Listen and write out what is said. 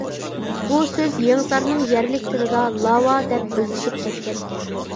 بۇ سۆز يېڭىسارنىڭ يەرلىك تىلىدا لاۋا دەپ ئۆزلىشىپ كەتكەن.